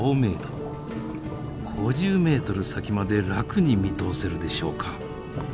５０メートル先まで楽に見通せるでしょうか。